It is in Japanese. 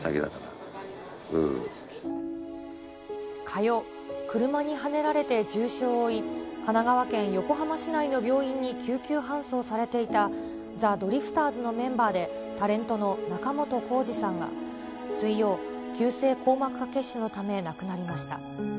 火曜、車にはねられて重傷を負い、神奈川県横浜市内の病院に救急搬送されていた、ザ・ドリフターズのメンバーで、タレントの仲本工事さんが水曜、急性硬膜下血腫のため、亡くなりました。